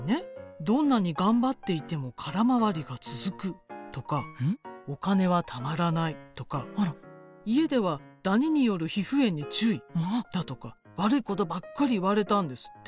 「どんなに頑張っていても空回りが続く」とか「お金は貯まらない」とか「家ではダニによる皮膚炎に注意」だとか悪いことばっかり言われたんですって。